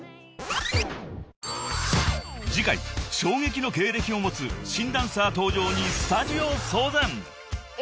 ［次回衝撃の経歴も持つ新ダンサー登場にスタジオ騒然］え！？